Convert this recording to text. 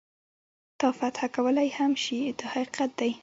تا فتح کولای هم شي دا حقیقت دی.